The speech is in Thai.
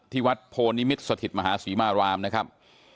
ที่วัดโพนิมิตรสถิตมหาศรีมารามนะครับ